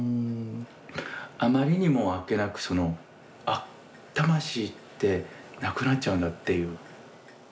あまりにもあっけなくそのあ魂ってなくなっちゃうんだっていう。